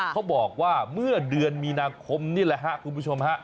เขาบอกว่าเมื่อเดือนมีนาคมนี่แหละครับคุณผู้ชมฮะ